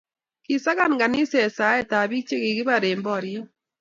kisakan kaniset saetab biik che kikibar eng' boriet.